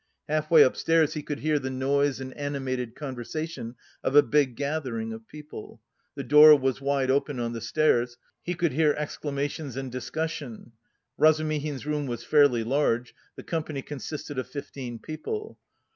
Half way upstairs he could hear the noise and animated conversation of a big gathering of people. The door was wide open on the stairs; he could hear exclamations and discussion. Razumihin's room was fairly large; the company consisted of fifteen people.